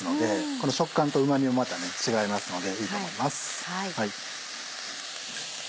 この食感とうま味もまた違いますのでいいと思います。